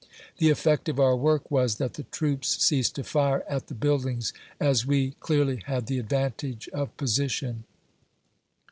The effect of our work was, that the troops ceased to fire at the buildings, as we clearly had the advantage of position.